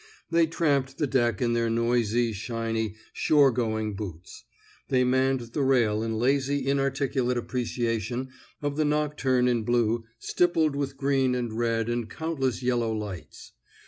They tramped the deck in their noisy, shiny, shore going boots; they manned the rail in lazy inarticulate appreciation of the nocturne in blue stippled with green and red and countless yellow lights.